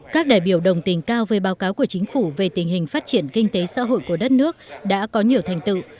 các đại biểu đồng tình cao với báo cáo của chính phủ về tình hình phát triển kinh tế xã hội của đất nước đã có nhiều thành tựu